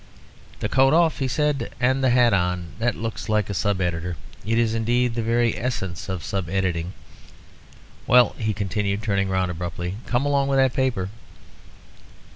"The coat off," he said, "and the hat on. That looks like a sub editor. It is indeed the very essence of sub editing. Well," he continued, turning round abruptly, "come along with that paper."